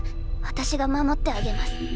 私が守ってあげます！